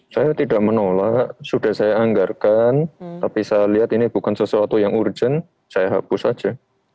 saya tidak menolak sudah saya anggarkan tapi saya lihat ini bukan sesuatu yang urgent saya hapus saja